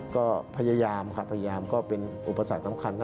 ก็พยายามก็เป็นอุปสรรคสำคัญ